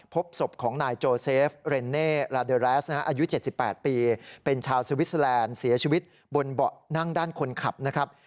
พบศพของนายโจเซฟเรนเน่ลาเดอแรสอายุ๗๘ปีเป็นชาวสวิสเตอร์แลนด์เสียชีวิตบนเบาะนั่งด้านคนขับนะครับ